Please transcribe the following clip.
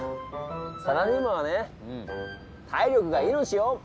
サラリーマンはね体力が命よ。